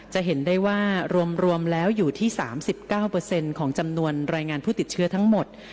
จะเห็นได้ว่ารวมแล้วอยู่ที่๓๙ของจำนวนรายงานผู้ติดเชื้อทั้งหมด